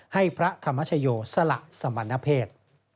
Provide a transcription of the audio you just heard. ให้พระธรรมชโยสละสมณเพศ